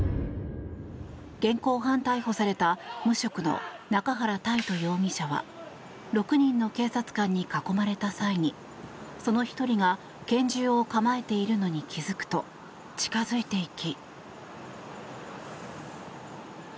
現行犯逮捕された無職の中原泰斗容疑者は６人の警察官に囲まれた際にその１人が拳銃を構えているのに気付くと近付いていき。